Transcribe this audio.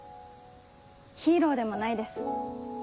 ヒーローでもないです。